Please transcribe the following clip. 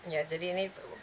ya jadi ini